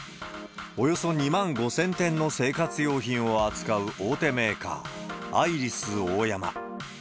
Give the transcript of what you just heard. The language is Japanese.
およそ２万５０００点の生活用品を扱う大手メーカー、アイリスオーヤマ。